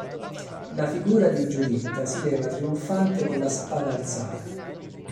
La figura di Giuditta si leva trionfante con la spada alzata.